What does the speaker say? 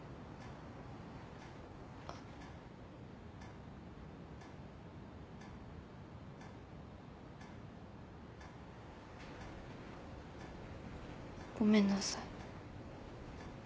あ。ごめんなさい。